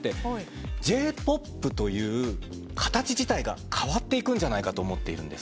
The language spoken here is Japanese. Ｊ−ＰＯＰという形自体が変わっていくんじゃないかと思っているんです。